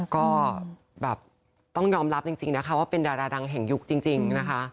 ก็แบบต้องยอมรับจริงนะคะว่าเป็นดาราดังแห่งยุคจริงนะคะ